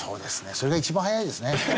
それが一番早いですね。